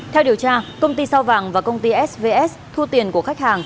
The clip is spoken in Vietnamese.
theo điều tra công ty sao vàng và công ty svs thu tiền của khách hàng